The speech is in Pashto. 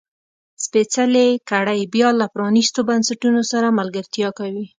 سپېڅلې کړۍ بیا له پرانیستو بنسټونو سره ملګرتیا کوي.